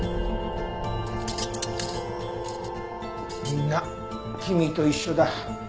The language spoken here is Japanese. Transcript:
みんな君と一緒だ。